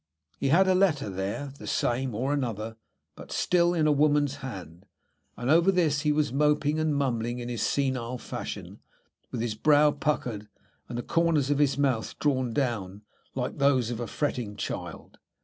He had a letter there, the same, or another, but still in a woman's hand, and over this he was moping and mumbling in his senile fashion, with his brow puckered, and the corners of his mouth drawn down like those of a fretting child.